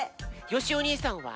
よしお兄さんは？